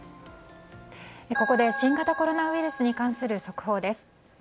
ここで新型コロナウイルスに関する速報です。